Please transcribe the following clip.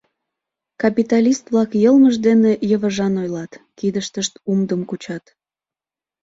Капиталист-влак йылмышт дене йывыжан ойлат, кидыштышт умдым кучат.